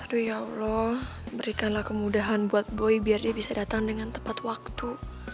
aduh ya allah berikanlah kemudahan buat boy biar dia bisa datang dengan tepat waktu